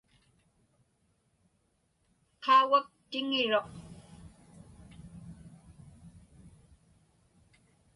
Qaugak tiŋiruq.